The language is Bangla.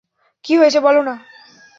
কী হয়েছে বলো না?